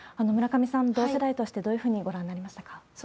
村上さん、同世代としてどういうふうにご覧になりましたか？